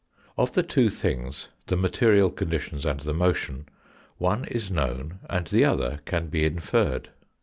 Of the two things, the material conditions and the motion, one is known, and the other can be inferred.